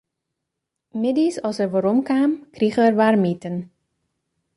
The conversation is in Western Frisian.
Middeis as er werom kaam, krige er waarmiten.